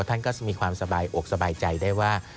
ท่านก็มีความสบายอกสบายใจได้ว่า